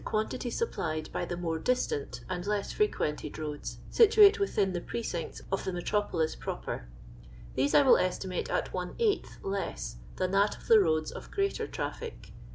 quantity supplied by the more distant and less frequented roads situate within the precincts of the Metro polis Proper. These I will estimate at one eighth less than that of the roads Of greater traffic.